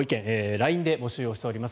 ＬＩＮＥで募集をしております。